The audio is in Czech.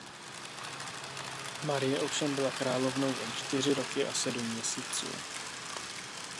Marie ovšem byla královnou jen čtyři roky a sedm měsíců.